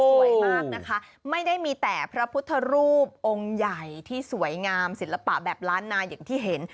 สวยมากนะคะไม่ได้มีแต่พระพุทธรูปองค์ใหญ่ที่สวยงามศิลปะแบบล้านนาอย่างที่เห็น